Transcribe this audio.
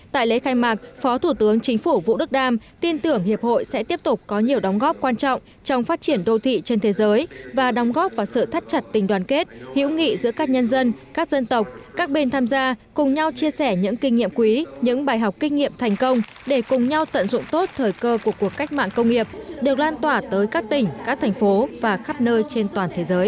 tại lễ khai mạc phó thủ tướng chính phủ vũ đức đam tin tưởng hiệp hội sẽ tiếp tục có nhiều đóng góp quan trọng trong phát triển đô thị trên thế giới và đóng góp vào sự thắt chặt tình đoàn kết hiểu nghị giữa các nhân dân các dân tộc các bên tham gia cùng nhau chia sẻ những kinh nghiệm quý những bài học kinh nghiệm thành công để cùng nhau tận dụng tốt thời cơ của cuộc cách mạng công nghiệp được lan tỏa tới các tỉnh các thành phố và khắp nơi trên toàn thế giới